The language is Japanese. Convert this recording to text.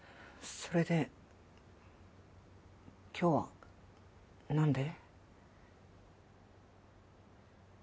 それで今日はなんで？